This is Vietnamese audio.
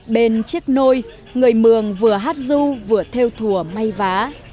bên chiếc nôi người mường vừa hát du vừa theo thùa may vá